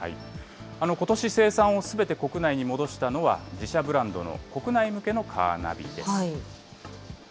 ことし生産をすべて国内に戻したのは、自社ブランドの国内向けのカーナビです。